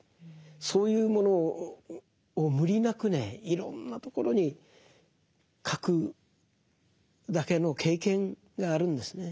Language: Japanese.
そういうものを無理なくねいろんなところに書くだけの経験があるんですね。